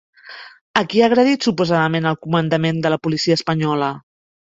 A qui ha agredit suposadament el comandament de la policia espanyola?